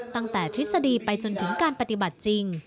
ตั้งแต่ทฤษฎีไปจนถึงการปฏิบัติจริง